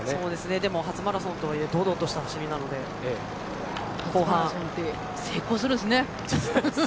でも、初マラソンとはいえ堂々として走りなので成功するんすね。